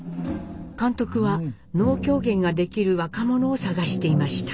監督は能狂言ができる若者を探していました。